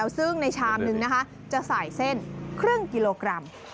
ซึ่งในชามนึงนะคะจะใส่เส้นครึ่งกิโลกรัม